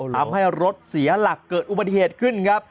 ทำให้รถเสียหลักเกิดอุบัติเหตุขึ้นครับ